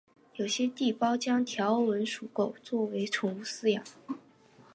有些地区将条纹鬣狗作为宠物饲养。